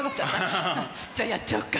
じゃあやっちゃおうか。